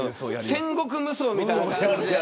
戦国無双みたいな感じで。